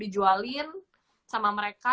dijualin sama mereka